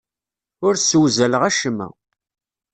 Ur ssewzaleɣ acemma.